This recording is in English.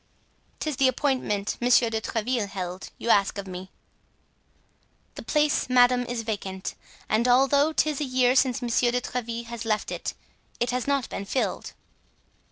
"'Tis the appointment Monsieur de Tréville held, you ask of me." "The place, madame, is vacant, and although 'tis a year since Monsieur de Tréville has left it, it has not been filled."